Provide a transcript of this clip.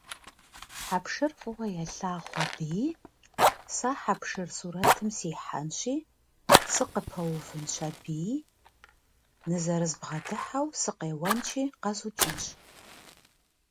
Хьэпшыр фӏыуэ елъагъу абыи, сэ хьэпшыр сурэтым сихьэнщи, сыкъыпэувынщ аби, нызэрызбгъэдыхьэу сыкъеуэнщи къэзукӏынщ!